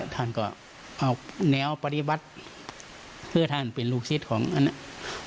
ท่านก็เอาแนวปฏิบัติเพื่อท่านเป็นลูกศิษย์ของอันนั้น